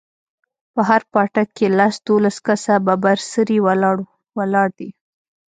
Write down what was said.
په هر پاټک کښې لس دولس کسه ببر سري ولاړ دي.